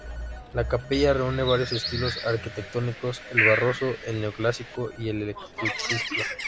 La capilla reúne varios estilos arquitectónicos, el barroco, el neoclásico y el eclecticismo.